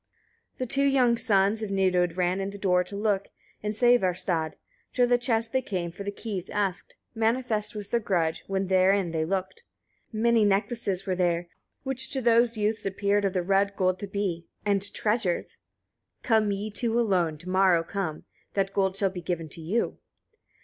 19. The two young sons of Nidud ran in at the door to look, in Sævarstad. To the chest they came, for the keys asked; manifest was their grudge, when therein they looked. 20. Many necklaces were there, which to those youths appeared of the red gold to be, and treasures. "Come ye two alone, to morrow come; that gold shall be given to you.